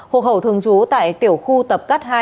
hộ khẩu thường trú tại tiểu khu tập cát hai